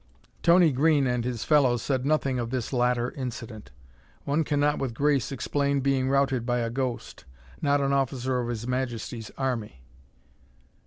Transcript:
Tony Green and his fellows said nothing of this latter incident. One cannot with grace explain being routed by a ghost. Not an officer of His Majesty's army!